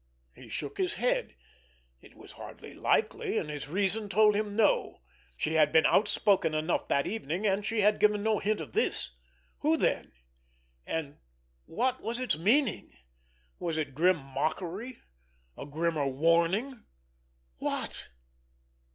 He shook his head. It was hardly likely, and his reason told him no—she had been outspoken enough that evening, and she had given no hint of this. Who then? And what was its meaning? Was it grim mockery? A grimmer warning? What?